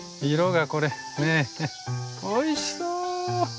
おいしそう。